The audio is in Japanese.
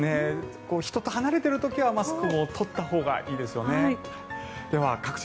人と離れてる時はマスクも取ったほうがいいですよね。